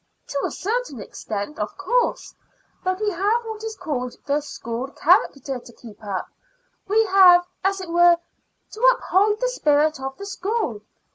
"To a certain extent, of course; but we have what is called the school character to keep up. We have, as it were, to uphold the spirit of the school.